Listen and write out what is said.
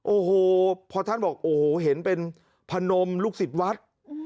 โอ้โหพอท่านบอกโอ้โหเห็นเป็นพนมลูกศิษย์วัด